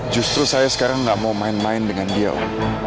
justru saya sekarang gak mau main main dengan dia om